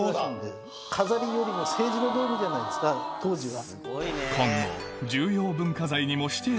当時は。